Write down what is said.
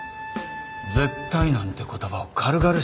「絶対」なんて言葉を軽々しく使うな。